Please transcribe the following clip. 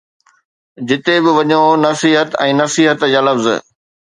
جتي به وڃو، نصيحت ۽ نصيحت جا لفظ.